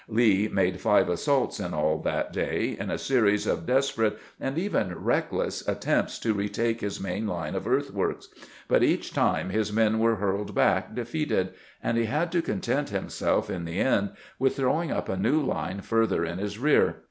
Lee made five assaults, in all, that day, in a series of desperate and even reckless attempts to retake his main line of earthworks; but each time his men were hurled back defeated, and he had to content himself in the end with throwing up a new line farther in his rear.